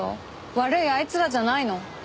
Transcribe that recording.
悪いあいつらじゃないの？